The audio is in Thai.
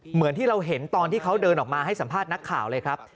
เหมือนที่เราเห็นตอนที่เขาเดินออกมาให้สัมภาษณ์นักข่าวเลยครับ